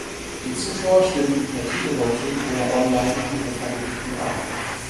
Die Zuschauer stimmten per Televoting oder online für ihren Favoriten ab.